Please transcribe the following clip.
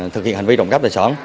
thực hiện hành vi trộm cắp tài sản